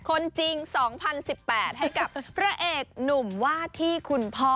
คนจริง๒๐๑๘ให้กับพระเอกหนุ่มว่าที่คุณพ่อ